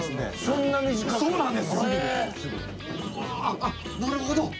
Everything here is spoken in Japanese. あなるほど。